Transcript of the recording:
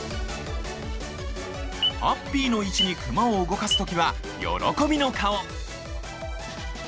「ｈａｐｐｙ」の位置にクマを動かす時は喜びの顔！